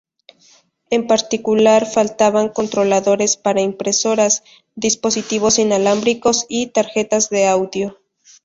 En particular faltaban controladores para impresoras, dispositivos inalámbricos y tarjetas de audio.